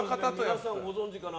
皆さんご存じかな。